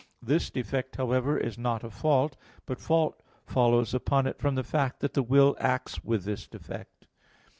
This defect, however, is not a fault, but fault follows upon it from the fact that the will acts with this defect.